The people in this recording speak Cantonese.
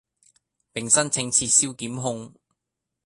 並申請撤銷檢控